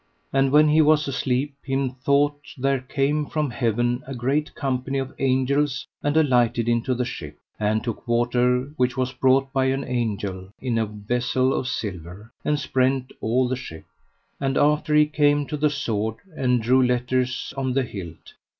And when he was asleep him thought there came from heaven a great company of angels, and alighted into the ship, and took water which was brought by an angel, in a vessel of silver, and sprent all the ship. And after he came to the sword, and drew letters on the hilt.